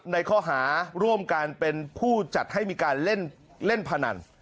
ในข้อหาร่วมการเป็นผู้จัดให้มีการเล่นพนัน